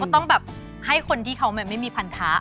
ต้องแบบให้คนที่เขาไม่มีพันธะ